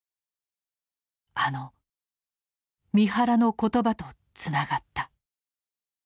あの三原の言葉とつながった。